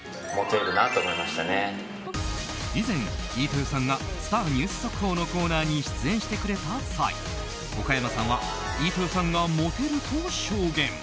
以前、飯豊さんがスター☆ニュース速報のコーナーに出演してくれた歳岡山さんは飯豊さんがモテると証言。